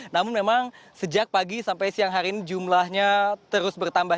namun memang sejak pagi sampai siang hari ini jumlahnya terus bertambah